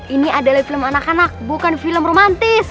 ini adalah film anak anak bukan film romantis